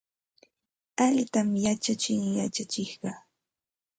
Allintam yachachin yachachiqqa.